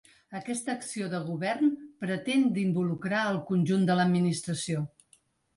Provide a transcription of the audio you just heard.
Aquesta acció de govern pretén d’involucrar el conjunt de l’administració.